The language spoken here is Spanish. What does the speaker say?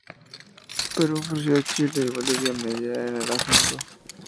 Perú ofreció a Chile y Bolivia mediar en el asunto.